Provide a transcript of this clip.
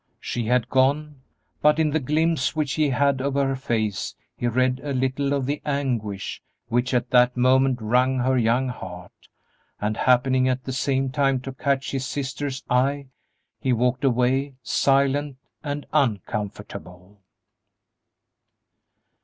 She had gone, but in the glimpse which he had of her face he read a little of the anguish which at that moment wrung her young heart, and happening at the same time to catch his sister's eye, he walked away, silent and uncomfortable.